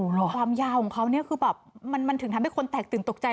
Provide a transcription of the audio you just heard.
ความยาวของเขาเนี่ยคือแบบมันถึงทำให้คนแตกตื่นตกใจ